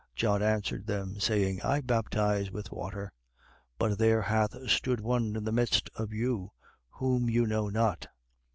1:26. John answered them, saying: I baptize with water: but there hath stood one in the midst of you, whom you know not.